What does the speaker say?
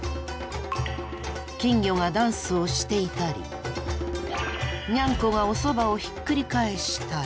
金魚がダンスをしていたりニャンコがおそばをひっくり返したり。